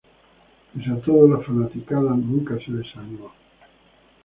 Pese a todo la fanaticada nunca se desanimó.